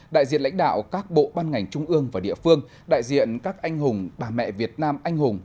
đại diện lãnh đạo các bộ ban ngành trung ương và địa phương đại diện các anh hùng bà mẹ việt nam anh hùng